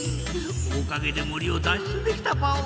おかげで森を脱出できたパオ。